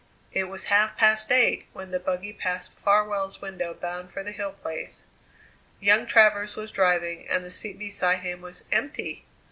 It was half past eight when the buggy passed Farwell's window bound for the Hill Place. Young Travers was driving and the seat beside him was empty!